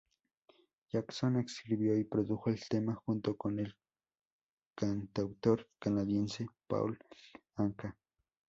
Jackson escribió y produjo el tema junto con el cantautor canadiense Paul Anka.